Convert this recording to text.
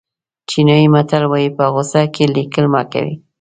چینایي متل وایي په غوسه کې لیکل مه کوئ.